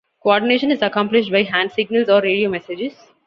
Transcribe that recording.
Co-ordination is accomplished by hand signals or radio messages.